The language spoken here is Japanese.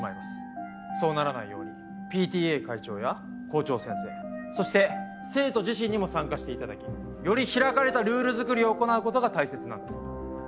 そうならないようにＰＴＡ会長や校長先生そして生徒自身にも参加して頂きより開かれたルール作りを行う事が大切なんです。